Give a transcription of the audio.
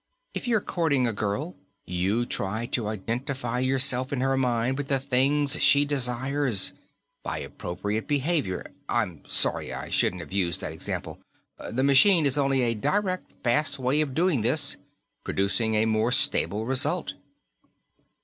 If you're courting a girl, you try to identify yourself in her mind with the things she desires, by appropriate behavior.... I'm sorry; I shouldn't have used that example.... The machine is only a direct, fast way of doing this, producing a more stable result."